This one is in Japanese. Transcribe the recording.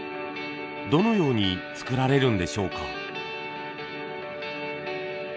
どのように作られるんでしょうか。